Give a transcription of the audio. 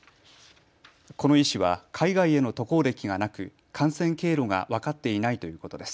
この医師は海外への渡航歴がなく感染経路が分かっていないということです。